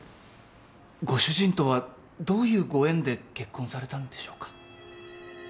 ご主人とはどういうご縁で結婚されたんでしょうか？